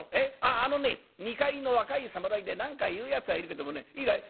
あのね二階の若い侍で何か言うやつがいるけどもねいいかい？